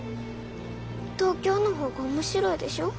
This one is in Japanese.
東京の方が面白いでしょ？